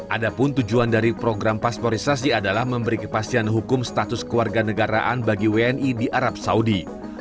adapun tujuan dari program pasporisasi adalah memberi kepastian hukum status keluarga negaraan bagi wni di arab saudi